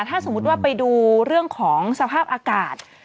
ถ้าสมมุติว่าไปดูเรื่องของสภาพอากาศ